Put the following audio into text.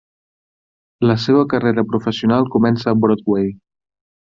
La seva carrera professional comença a Broadway.